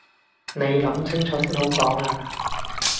你諗清楚先好講呀